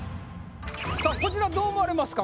さぁこちらどう思われますか？